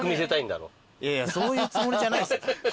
いやいやそういうつもりじゃないっす。